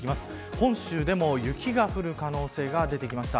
本州でも雪が降る可能性が出てきました。